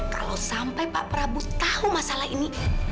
kalau sampai pak prabowo tahu masalah ini